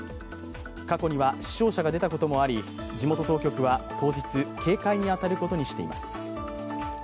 過去には死傷者が出たこともあり、地元当局は、当日、警戒に当たることにしています。